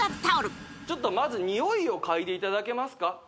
タオルちょっとまずニオイを嗅いでいただけますか？